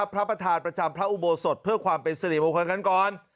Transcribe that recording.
พระปฐาตรประจำพระอุโบสถเพื่อความเป็นศรีบโมคันกันก่อน